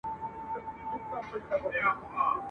هېره سوې د زاړه قبر جنډۍ یم ..